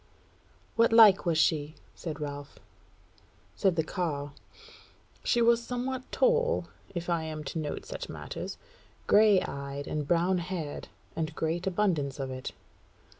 "What like was she?" said Ralph. Said the carle: "She was somewhat tall, if I am to note such matters, grey eyed and brown haired, and great abundance of it.